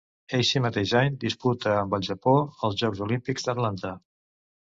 Eixe mateix any disputa amb el Japó els Jocs Olímpics d'Atlanta.